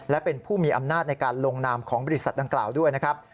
และเป็นผู้มีอำนาจในการลงนามของบริษัทดังกล่าวด้วยนะครับ